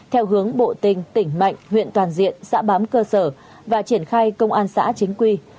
theo hướng bộ tình tỉnh mạnh huyện toàn diện xã bám cơ sở và triển khai công an xã chính quy